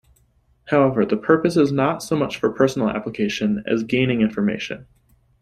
However, the purpose is not so much for personal application as gaining information.